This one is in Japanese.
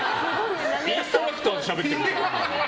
インストラクターとしゃべってるみたい。